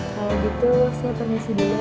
kalau gitu saya permisi dulu